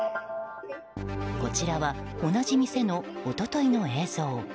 こちらは同じ店の一昨日の映像。